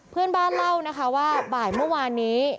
เพื่อนบ้านเล่านะคะว่าบ่ายเมื่อวานนี้